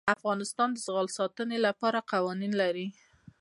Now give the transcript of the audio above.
افغانستان د زغال د ساتنې لپاره قوانین لري.